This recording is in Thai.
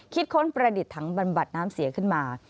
ค้นประดิษฐ์ถังบำบัดน้ำเสียขึ้นมา